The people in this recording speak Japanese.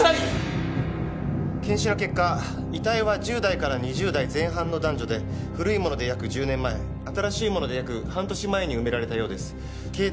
検視の結果遺体は１０代から２０代前半の男女で古いもので約１０年前新しいもので約半年前に埋められたようですけ